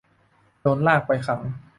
โดนลากไปขัง